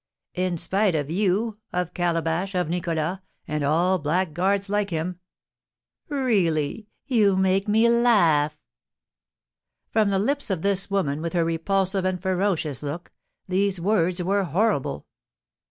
"In spite of you, of Calabash, of Nicholas, and all blackguards like him." "Really, you make me laugh." From the lips of this woman, with her repulsive and ferocious look, these words were horrible.